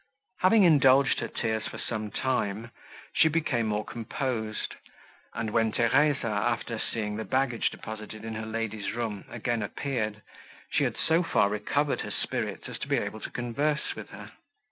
Having indulged her tears for some time, she became more composed; and, when Theresa, after seeing the baggage deposited in her lady's room, again appeared, she had so far recovered her spirits, as to be able to converse with her.